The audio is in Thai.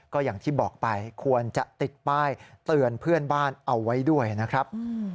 ก็อย่างที่บอกไปควรจะติดป้ายเตือนเพื่อนบ้านเอาไว้ด้วยนะครับ